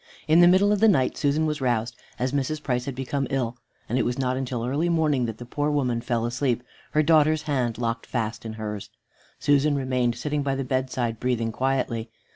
In the middle of the night Susan was roused, as Mrs. Price had become ill, and it was not until early morning that the poor woman fell asleep, her daughter's hand locked fast in hers. Susan remained sitting by the bedside, breathing quietly.